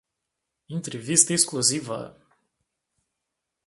Entrevista exclusiva